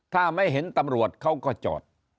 ถ้าไม่เห็นตำรวจเขาก็จอด